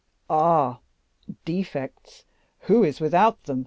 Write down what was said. "Ah! defects, who is without them, M.